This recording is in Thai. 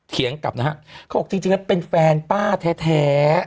เงียงกลับนะฮะเขาบอกจริงแล้วเป็นแฟนป้าแท้